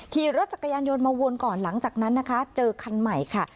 ขี่รถจักรยานยนต์มาวนก่อนหลังจากนั้นนะคะเจอคันใหม่ค่ะ